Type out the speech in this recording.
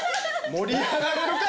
盛り上がれるか！